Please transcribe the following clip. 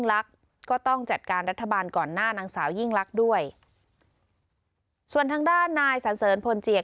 ลักษณ์ก็ต้องจัดการรัฐบาลก่อนหน้านางสาวยิ่งลักษณ์ด้วยส่วนทางด้านนายสันเสริญพลเจียก